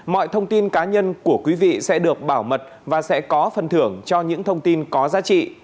mọi thông tin cá nhân của quý vị sẽ được bảo mật và sẽ có phần thưởng cho những thông tin có giá trị